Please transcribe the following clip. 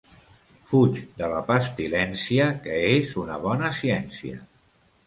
Fuig de la pestilència, que és una bona ciència.